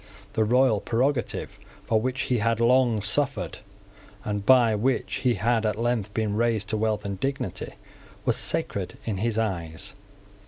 The royal prerogative, for which he had long suffered, and by which he had at length been raised to wealth and dignity, was sacred in his eyes.